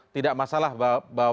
tidak masalah bahwa